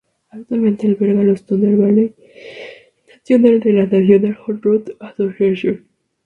Actualmente alberga los Thunder Valley Nationals de la National Hot Rod Association.